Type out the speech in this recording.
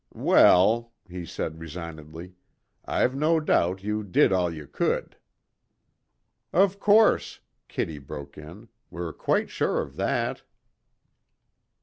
"Well," he said resignedly, "I've no doubt you did all you could." "Of course," Kitty broke in. "We're quite sure of that."